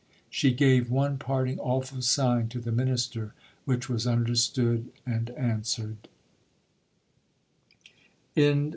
She gave one parting awful sign to the minister, which was understood and answered!